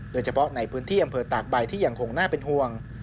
โดยเฉพาะในพื้นที่อำเภอตากใบที่ยังคงน่าเป็นห่วง